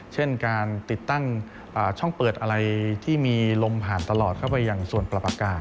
เช่นการติดตั้งช่องเปิดอะไรที่มีลมผ่านตลอดเข้าไปอย่างส่วนปรับอากาศ